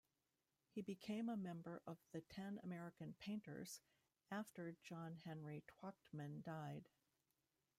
He became a member of the Ten American Painters after John Henry Twachtman died.